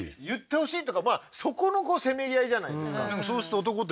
言ってほしいというかそこのせめぎ合いじゃないですか。